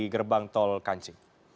gerbang tol kancik